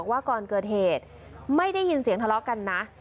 ว่าก่อนเกิดเหตุไม่ได้ยินเสียงทะเลาะกันนะ